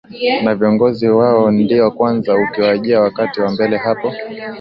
na viongozi wao ndio kwanza ukiwajia wakati wa mbele hapo